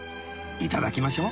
いただきましょう